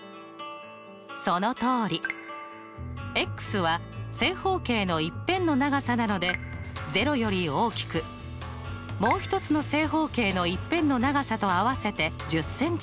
そのとおり！は正方形の１辺の長さなので０より大きくもう１つの正方形の１辺の長さと合わせて１０ｃｍなので１０未満。